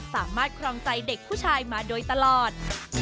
ครองใจเด็กผู้ชายมาโดยตลอด